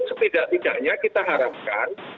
setidak tidaknya kita harapkan